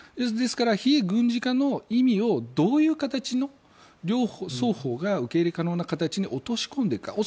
ですから、非軍事化の意味をどういう形の双方が受け入れ可能な形に落とし込んでいくか。